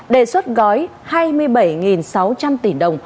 đề xuất gói hai mươi bảy sáu trăm linh tỷ đồng